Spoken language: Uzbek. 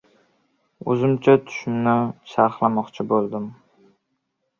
O‘zimcha tushimni sharhlamoqchi bo‘ldim.